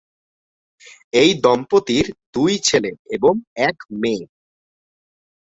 এই দম্পতির দুই ছেলে এবং এক মেয়ে।